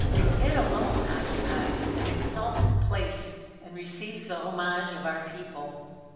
It alone occupies an exalted place and receives the homage of our people."